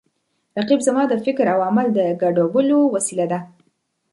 رقیب زما د فکر او عمل د ګډولو وسیله ده